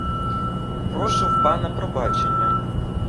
Прошу в пана пробачення.